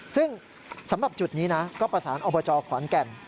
ซึ่งสำหรับจุดนี้นะก็ประสานอบจขอนแก่น